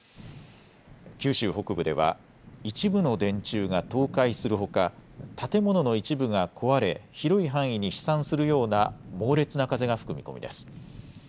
九州北部では一部の電柱が倒壊するほか、建物の一部が壊れ広い範囲に飛散するような猛烈な風が吹く見込みです。